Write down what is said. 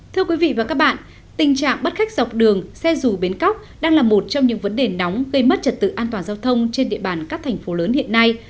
thưa quý vị và các bạn tình trạng bắt khách dọc đường xe dù bến cóc đang là một trong những vấn đề nóng gây mất trật tự an toàn giao thông trên địa bàn các thành phố lớn hiện nay